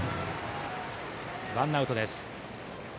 ワンアウトです。